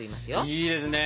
いいですね。